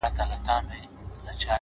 کندهارۍ سترگي دې د هند د حورو ملا ماتوي!